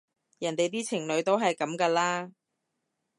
人哋啲情侶都係噉㗎啦